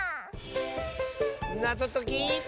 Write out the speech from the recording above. なぞとき。